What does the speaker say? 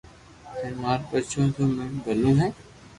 ھين مارو ٻچو سبو مون ٻلو ھي